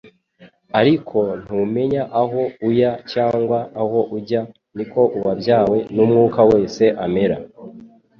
ariko ntumenya aho uya cyangwa aho ujya, niko uwabyawe n'Umwuka wese amera. »